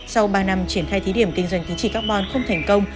sau ba năm triển khai thí điểm kinh doanh tính trị carbon không thành công